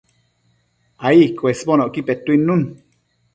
ai cuesbonocqui petuidnun